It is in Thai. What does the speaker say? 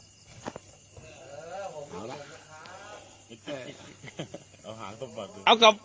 เอาหล่างส้มปัดดู